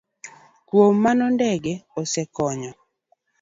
Kuom mano, ndege osekonyo